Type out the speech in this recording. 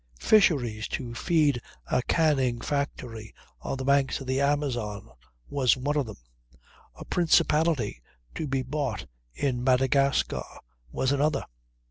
Fisheries to feed a canning Factory on the banks of the Amazon was one of them. A principality to be bought in Madagascar was another.